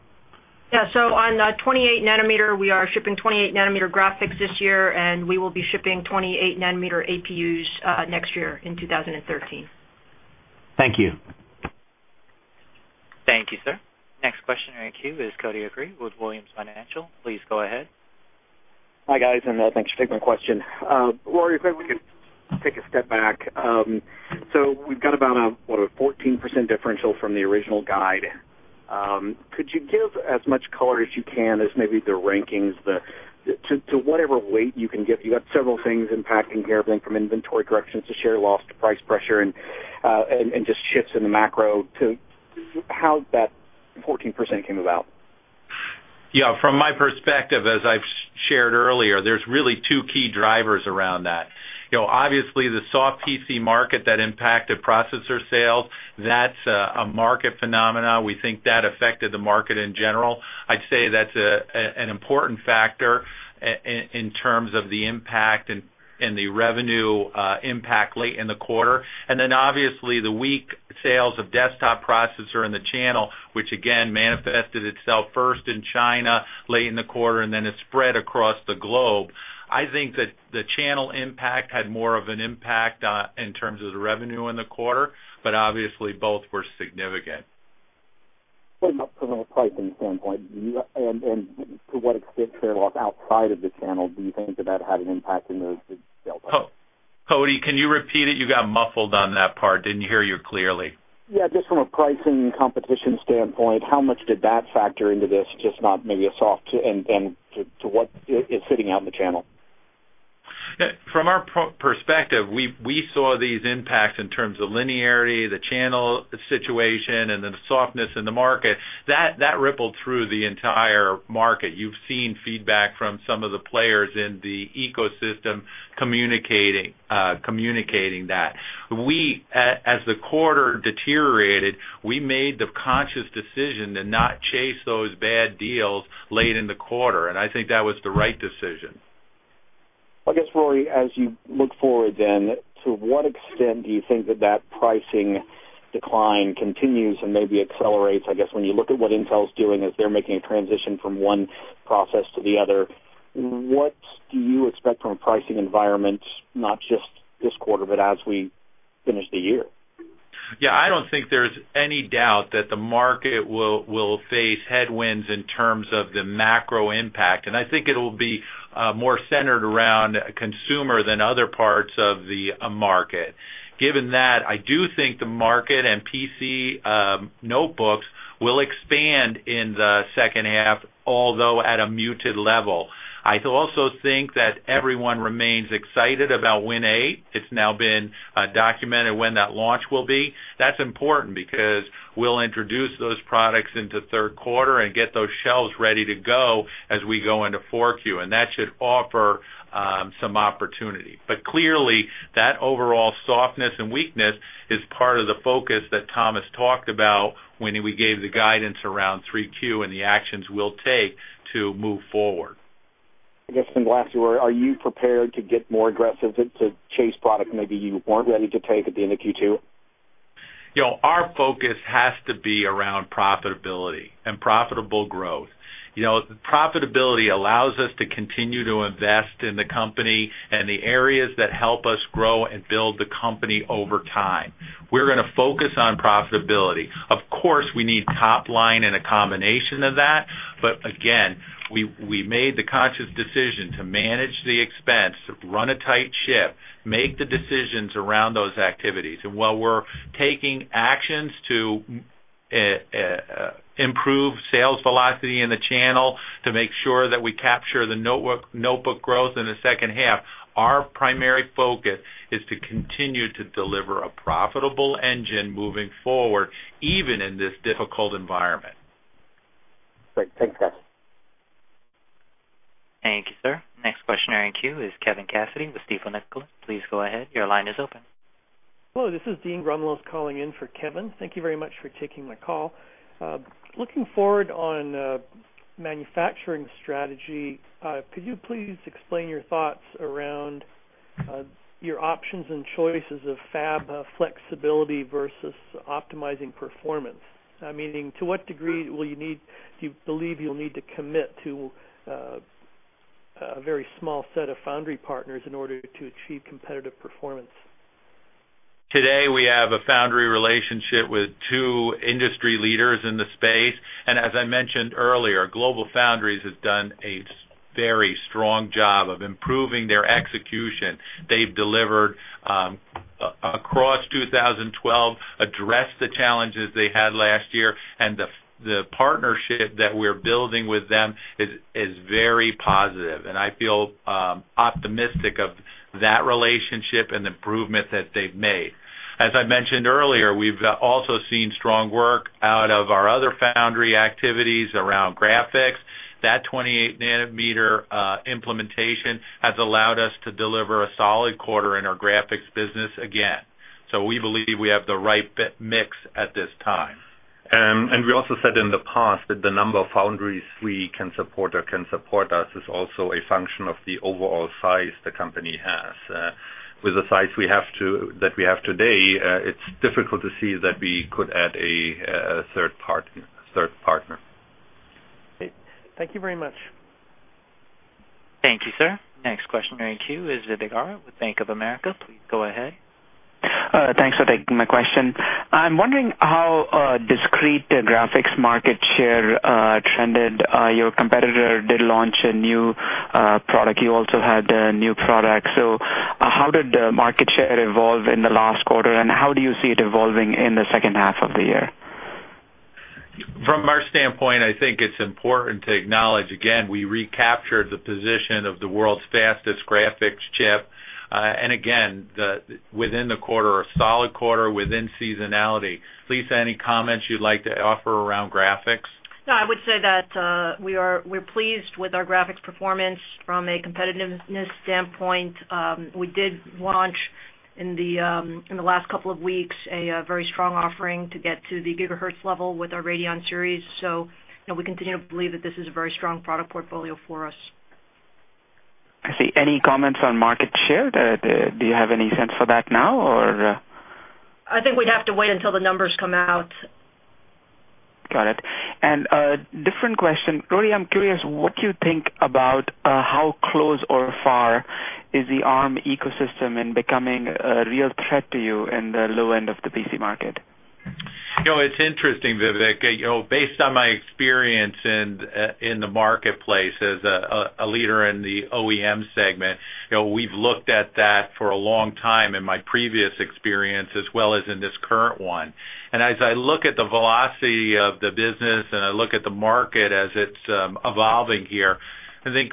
Yeah. On 28 nanometer, we are shipping 28 nanometer graphics this year, and we will be shipping 28 nanometer APUs next year in 2013. Thank you. Thank you, sir. Next question in our queue is Cody Acree with Williams Financial. Please go ahead. Hi, guys, and thanks for taking my question. Rory, if I could take a step back. We've got about a, what, a 14% differential from the original guide. Could you give as much color as you can as maybe the rankings, to whatever weight you can give? You got several things impacting here, going from inventory corrections to share loss to price pressure and just shifts in the macro to how that 14% came about. Yeah. From my perspective, as I've shared earlier, there's really two key drivers around that. Obviously, the soft PC market that impacted processor sales, that's a market phenomena. We think that affected the market in general. I'd say that's an important factor in terms of the impact and the revenue impact late in the quarter. Obviously, the weak sales of desktop processor in the channel, which again manifested itself first in China late in the quarter, and then it spread across the globe. I think that the channel impact had more of an impact in terms of the revenue in the quarter, but obviously both were significant. From a pricing standpoint, and to what extent fair or outside of the channel, do you think that that had an impact in those sales? Cody, can you repeat it? You got muffled on that part. Didn't hear you clearly. Yeah. Just from a pricing competition standpoint, how much did that factor into this? Just not maybe a soft to what is sitting out in the channel. From our perspective, we saw these impacts in terms of linearity, the channel situation, and then the softness in the market. That rippled through the entire market. You've seen feedback from some of the players in the ecosystem communicating that. We, as the quarter deteriorated, we made the conscious decision to not chase those bad deals late in the quarter, and I think that was the right decision. I guess, Rory, as you look forward then, to what extent do you think that that pricing decline continues and maybe accelerates? I guess when you look at what Intel's doing as they're making a transition from one process to the other, what do you expect from a pricing environment, not just this quarter, but as we finish the year? Yeah, I don't think there's any doubt that the market will face headwinds in terms of the macro impact, and I think it'll be more centered around consumer than other parts of the market. Given that, I do think the market and PC notebooks will expand in the second half, although at a muted level. I also think that everyone remains excited about Win8. It's now been documented when that launch will be. That's important because we'll introduce those products into third quarter and get those shelves ready to go as we go into 4Q, and that should offer some opportunity. Clearly, that overall softness and weakness is part of the focus that Thomas talked about when we gave the guidance around 3Q and the actions we'll take to move forward. I guess lastly, Rory, are you prepared to get more aggressive to chase product maybe you weren't ready to take at the end of Q2? Our focus has to be around profitability and profitable growth. Profitability allows us to continue to invest in the company and the areas that help us grow and build the company over time. We're going to focus on profitability. Of course, we need top line and a combination of that, but again, we made the conscious decision to manage the expense, run a tight ship, make the decisions around those activities. While we're taking actions to improve sales velocity in the channel to make sure that we capture the notebook growth in the second half, our primary focus is to continue to deliver a profitable engine moving forward, even in this difficult environment. Great. Thanks, guys. Thank you, sir. Next questioner in queue is Kevin Cassidy with Stifel Nicolaus. Please go ahead. Your line is open. Hello, this is Dean Grumlose calling in for Kevin. Thank you very much for taking my call. Looking forward on manufacturing strategy, could you please explain your thoughts around your options and choices of fab flexibility versus optimizing performance? Meaning, to what degree do you believe you'll need to commit to a very small set of foundry partners in order to achieve competitive performance? Today, we have a foundry relationship with two industry leaders in the space. As I mentioned earlier, GlobalFoundries has done a very strong job of improving their execution. They've delivered across 2012, addressed the challenges they had last year, and the partnership that we're building with them is very positive. I feel optimistic of that relationship and the improvement that they've made. As I mentioned earlier, we've also seen strong work out of our other foundry activities around graphics. That 28nm implementation has allowed us to deliver a solid quarter in our graphics business again. We believe we have the right mix at this time. We also said in the past that the number of foundries we can support or can support us is also a function of the overall size the company has. With the size that we have today, it's difficult to see that we could add a third partner. Great. Thank you very much. Thank you, sir. Next questioner in queue is Vivek Arya with Bank of America. Please go ahead. Thanks for taking my question. I'm wondering how discrete graphics market share trended. Your competitor did launch a new product. You also had a new product. How did market share evolve in the last quarter, and how do you see it evolving in the second half of the year? From our standpoint, I think it's important to acknowledge again, we recaptured the position of the world's fastest graphics chip. Again, within the quarter, a solid quarter within seasonality. Lisa, any comments you'd like to offer around graphics? No, I would say that we're pleased with our graphics performance from a competitiveness standpoint. We did launch, in the last couple of weeks, a very strong offering to get to the gigahertz level with our Radeon series. We continue to believe that this is a very strong product portfolio for us. I see. Any comments on market share? Do you have any sense for that now, or? I think we'd have to wait until the numbers come out. Got it. A different question. Rory, I'm curious what you think about how close or far is the Arm ecosystem becoming a real threat to you in the low end of the PC market? It's interesting, Vivek. Based on my experience in the marketplace as a leader in the OEM segment, we've looked at that for a long time in my previous experience as well as in this current one. As I look at the velocity of the business and I look at the market as it's evolving here, I think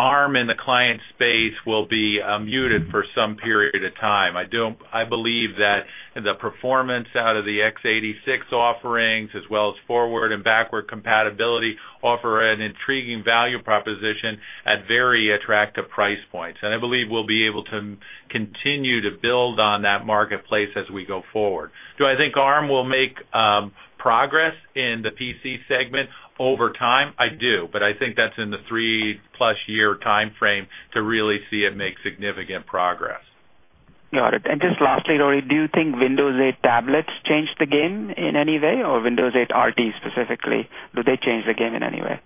Arm in the client space will be muted for some period of time. I believe that the performance out of the x86 offerings as well as forward and backward compatibility offer an intriguing value proposition at very attractive price points. I believe we'll be able to continue to build on that marketplace as we go forward. Do I think Arm will make progress in the PC segment over time? I do, but I think that's in the 3-plus year timeframe to really see it make significant progress. Got it. Just lastly, Rory, do you think Windows 8 tablets changed the game in any way, or Windows RT specifically? Do they change the game in any way?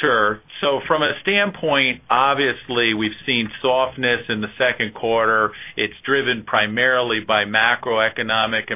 Sure. From a standpoint, obviously, we've seen softness in the second quarter. It's driven primarily by macroeconomic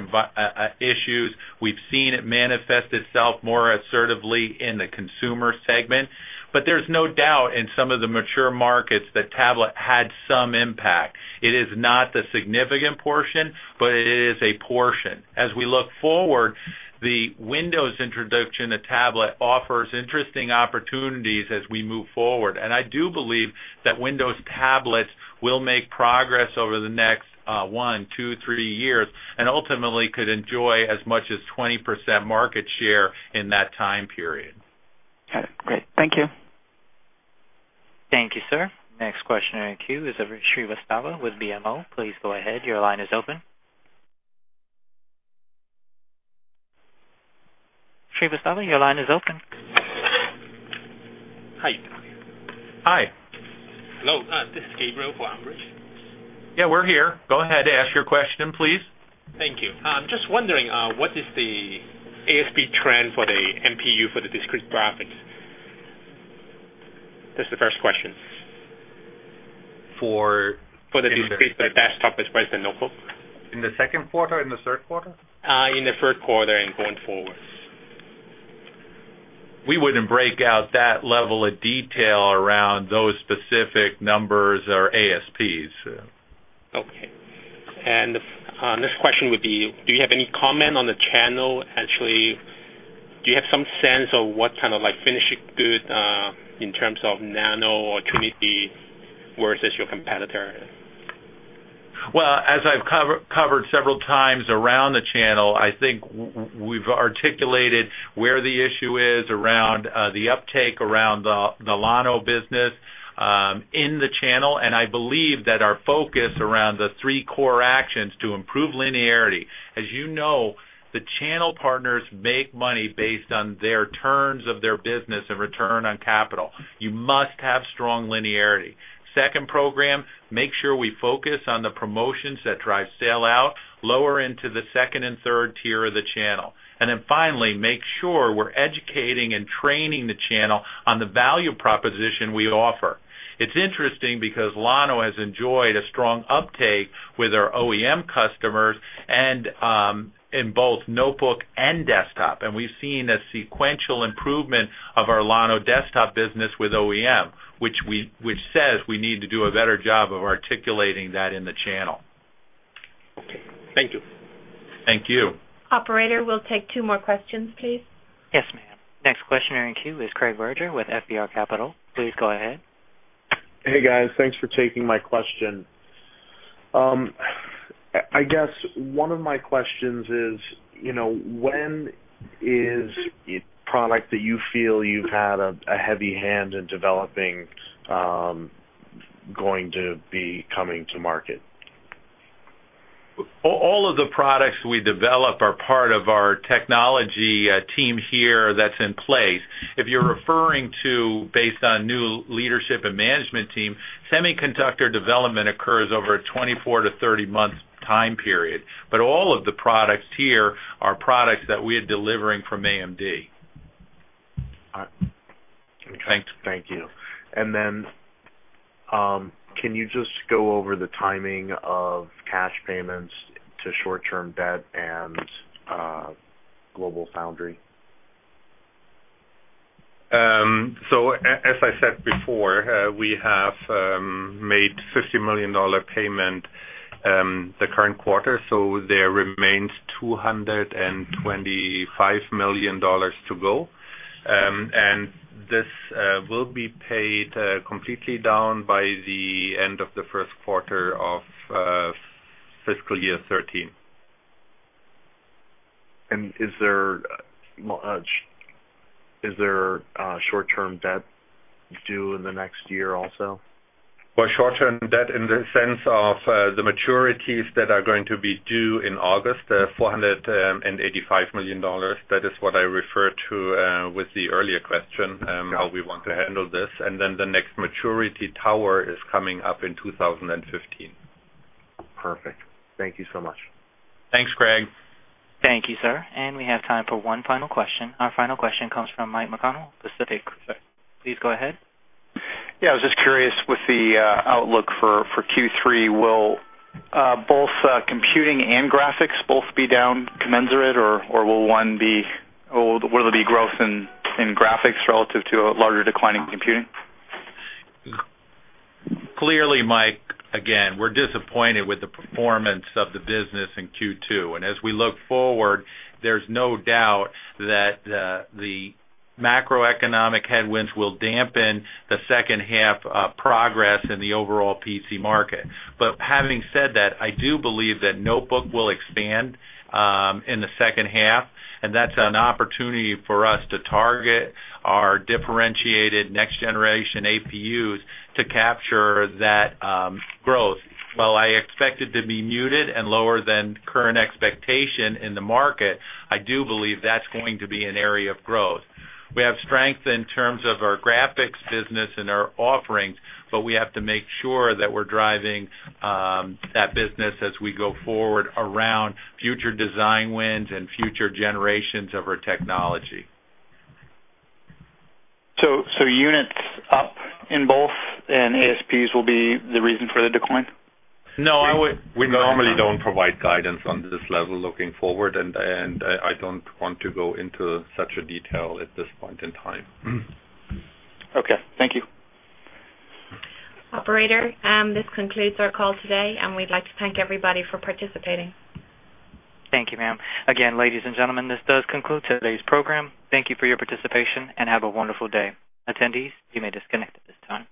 issues. We've seen it manifest itself more assertively in the consumer segment, but there's no doubt in some of the mature markets that tablet had some impact. It is not a significant portion, but it is a portion. As we look forward, the Windows introduction to tablet offers interesting opportunities as we move forward. I do believe that Windows tablets will make progress over the next one, two, three years, and ultimately could enjoy as much as 20% market share in that time period. Got it. Great. Thank you. Thank you, sir. Next question in queue is Srivastava with BMO. Please go ahead. Your line is open. Srivastava, your line is open. Hi. Hi. Hello, this is Gabriel for Ambrish. Yeah, we're here. Go ahead, ask your question, please. Thank you. Just wondering, what is the ASP trend for the MPU for the discrete graphics? That's the first question. For- For the discrete for desktop as well as the notebook. In the second quarter, in the third quarter? In the third quarter and going forward. We wouldn't break out that level of detail around those specific numbers or ASPs. Okay. The next question would be, do you have any comment on the channel? Actually, do you have some sense of what kind of finishing good, in terms of Llano or Trinity versus your competitor? Well, as I've covered several times around the channel, I think we've articulated where the issue is around the uptake around the Llano business in the channel. I believe that our focus around the three core actions to improve linearity. As you know, the channel partners make money based on their turns of their business and return on capital. You must have strong linearity. Second program, make sure we focus on the promotions that drive sell-out lower into the 2nd and 3rd tier of the channel. Then finally, make sure we're educating and training the channel on the value proposition we offer. It's interesting because Llano has enjoyed a strong uptake with our OEM customers and in both notebook and desktop. We've seen a sequential improvement of our Llano desktop business with OEM, which says we need to do a better job of articulating that in the channel. Okay. Thank you. Thank you. Operator, we'll take two more questions, please. Yes, ma'am. Next question in queue is Craig Berger with FBR Capital. Please go ahead. Hey, guys. Thanks for taking my question. I guess one of my questions is, when is product that you feel you've had a heavy hand in developing going to be coming to market? All of the products we develop are part of our technology team here that's in place. If you're referring to based on new leadership and management team, semiconductor development occurs over a 24 months-30 months time period. All of the products here are products that we are delivering from AMD. All right. Thank you. Can you just go over the timing of cash payments to short-term debt and GlobalFoundries? As I said before, we have made $50 million payment the current quarter, there remains $225 million to go. This will be paid completely down by the end of the first quarter of fiscal year 2013. Is there short-term debt due in the next year also? Well, short-term debt in the sense of the maturities that are going to be due in August, the $485 million, that is what I referred to with the earlier question, how we want to handle this. The next maturity tower is coming up in 2015. Perfect. Thank you so much. Thanks, Craig. Thank you, sir. We have time for one final question. Our final question comes from Mike McConnell, Pacific. Please go ahead. Yeah. I was just curious with the outlook for Q3, will both computing and graphics both be down commensurate, or will there be growth in graphics relative to a larger decline in computing? Clearly, Mike, again, we're disappointed with the performance of the business in Q2. As we look forward, there's no doubt that the macroeconomic headwinds will dampen the second half progress in the overall PC market. Having said that, I do believe that notebook will expand in the second half, and that's an opportunity for us to target our differentiated next generation APUs to capture that growth. While I expect it to be muted and lower than current expectation in the market, I do believe that's going to be an area of growth. We have strength in terms of our graphics business and our offerings, but we have to make sure that we're driving that business as we go forward around future design wins and future generations of our technology. Units up in both, and ASPs will be the reason for the decline? No, we normally don't provide guidance on this level looking forward, and I don't want to go into such a detail at this point in time. Okay. Thank you. Operator, this concludes our call today. We'd like to thank everybody for participating. Thank you, ma'am. Again, ladies and gentlemen, this does conclude today's program. Thank you for your participation. Have a wonderful day. Attendees, you may disconnect at this time.